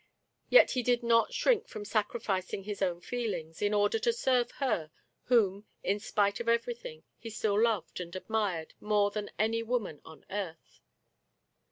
yet he did not shrink from sacrificing his own feelings in order to serve her, whom, in spite of everything, he still loved and admired more than any woman on earth.